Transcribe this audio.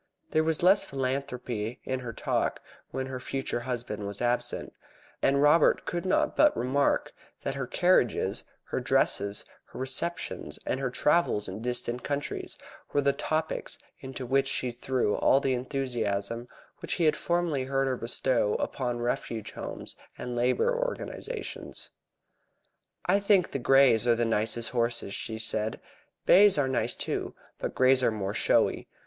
There was less philanthropy in her talk when her future husband was absent, and Robert could not but remark that her carriages, her dresses, her receptions, and her travels in distant countries were the topics into which she threw all the enthusiasm which he had formerly heard her bestow upon refuge homes and labour organisations. "I think that greys are the nicest horses," she said. "Bays are nice too, but greys are more showy.